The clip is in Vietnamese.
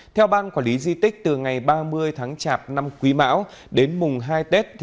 theo ban quản lý di tích từ ngày ba mươi tháng chạp năm quý mão đến mùng hai tết